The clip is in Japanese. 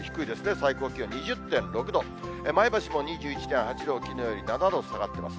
最高気温、２０．６度、前橋も２１．８度、きのうより７度下がってます。